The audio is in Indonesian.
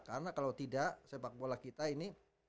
karena kalau tidak sepak bola kita ini